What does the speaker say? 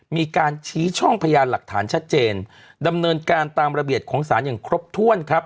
มีการชี้ช่องพยานหลักฐานชัดเจนดำเนินการตามระเบียบของศาลอย่างครบถ้วนครับ